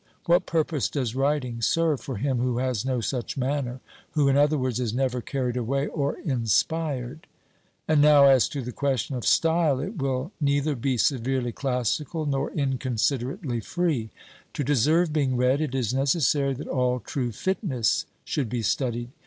What purpose does writing serve for him who has no such manner, who, in other words, is never carried away or OBERMANN 393 inspired? And now as to the question of style, it will neither be severely classical nor inconsiderately free. To deserve being read, it is necessary that all true fitness should be studied.